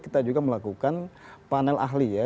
kita juga melakukan panel ahli ya